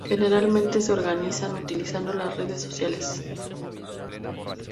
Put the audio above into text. Generalmente se organizan utilizando las redes sociales.